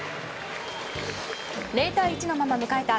０対１のまま迎えた